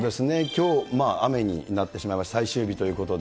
きょう、雨になってしまいました、最終日ということで。